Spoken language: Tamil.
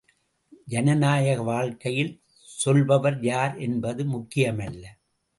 ஜனநாயக வாழ்க்கையில் சொல்பவர் யார் என்பது முக்கியமல்ல.